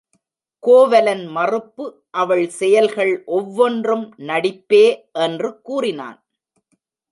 கோவலன் மறுப்பு அவள் செயல்கள் ஒவ்வொன்றும் நடிப்பே என்று கூறினான்.